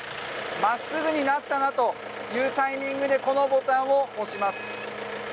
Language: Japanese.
真っすぐになったなというタイミングでこのボタンを押します。